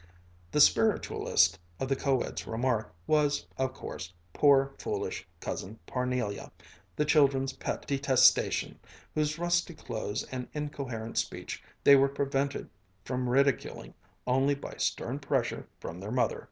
The spiritualist of the co ed's remark was, of course, poor foolish Cousin Parnelia, the children's pet detestation, whose rusty clothes and incoherent speech they were prevented from ridiculing only by stern pressure from their mother.